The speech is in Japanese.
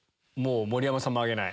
盛山さんも挙げない。